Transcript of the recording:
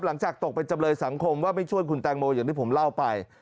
หลังจากตกเป็นจำเลยสังคมว่าไม่ช่วยคุณแตงโมอย่างที่ผมเล่าไป